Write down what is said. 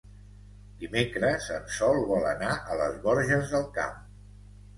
Dimecres en Sol vol anar a les Borges del Camp.